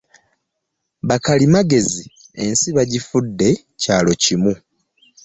Bakalimagezi ensi bagifudde ekyalo kimu.